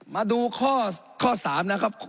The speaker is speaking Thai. มาดูข้อ๓นะครับ